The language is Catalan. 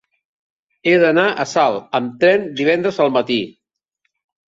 He d'anar a Salt amb tren divendres al matí.